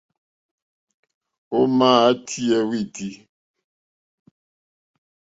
Ò màá tíyɛ́ wítí.